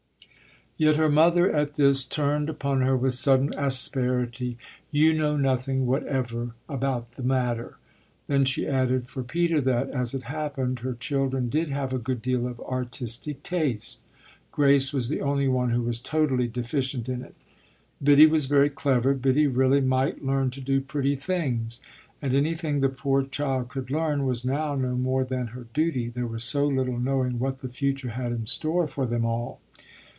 Yet her mother, at this, turned upon her with sudden asperity. "You know nothing whatever about the matter!" Then she added for Peter that, as it happened, her children did have a good deal of artistic taste: Grace was the only one who was totally deficient in it. Biddy was very clever Biddy really might learn to do pretty things. And anything the poor child could learn was now no more than her duty there was so little knowing what the future had in store for them all.